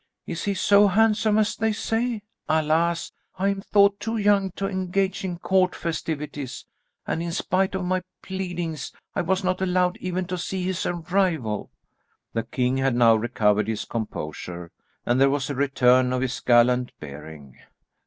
"Is he so handsome as they say? Alas, I am thought too young to engage in court festivities, and in spite of my pleadings I was not allowed even to see his arrival." The king had now recovered his composure, and there was a return of his gallant bearing.